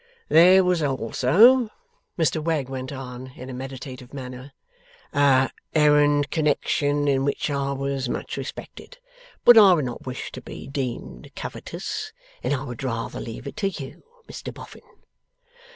'There was also,' Mr Wegg went on, in a meditative manner, 'a errand connection, in which I was much respected. But I would not wish to be deemed covetous, and I would rather leave it to you, Mr Boffin.